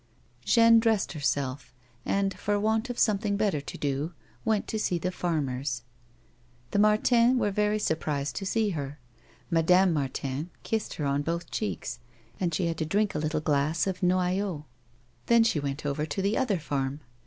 Jeanne dressed herself, and, for want of something better to do, went to see the farmers. The Martins were very sur prised to see her. Madame Martin kissed her on both cheeks, and she had to drink a little glass of noyau ; then she went over to the other farm.